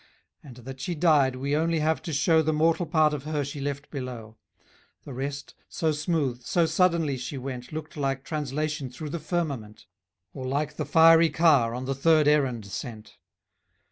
And, that she died, we only have to shew The mortal part of her she left below; The rest, so smooth, so suddenly she went, } Looked like translation through the firmament, } Or like the fiery car on the third errand sent.